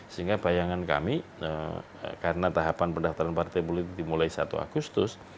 sehingga bayangan kami karena tahapan pendaftaran partai politik dimulai satu agustus